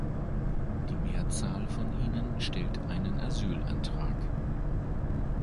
Die Mehrzahl von ihnen stellt einen Asylantrag.